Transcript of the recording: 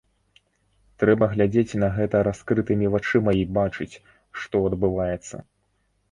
Трэба глядзець на гэта раскрытымі вачыма і бачыць, што адбываецца.